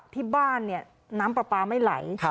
ที่บ้านเนี่ยน้ำปลาปลาไม่ไหล